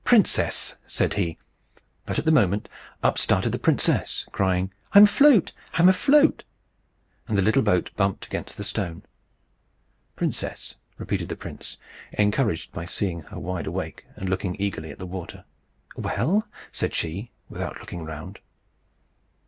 "Princess!" said he. But at the moment up started the princess, crying, "I'm afloat! I'm afloat!" And the little boat bumped against the stone. "Princess!" repeated the prince, encouraged by seeing her wide awake and looking eagerly at the water. "Well?" said she, without looking round.